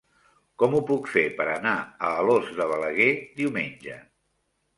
Com ho puc fer per anar a Alòs de Balaguer diumenge?